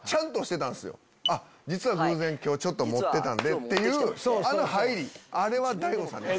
「実は偶然今日持ってたんで」っていうあの入りあれは大悟さんです。